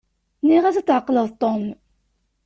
Nniɣ-as ad tɛeqleḍ Tom.